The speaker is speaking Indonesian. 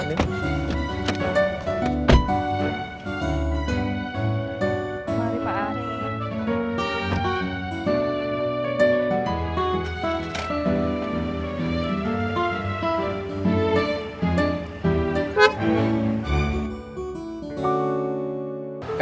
mari pak arief